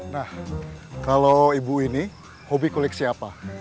nah kalau ibu ini hobi koleksi apa